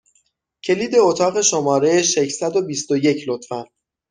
کلید اتاق شماره ششصد و بیست و یک، لطفا!